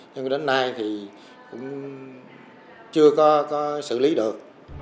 nhưng đến nay thì cũng chưa có xử lý được